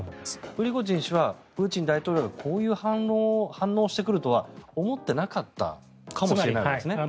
プリゴジン氏はプーチン大統領がこういう反応をしてくるとは思ってなかったかもしれないんですね。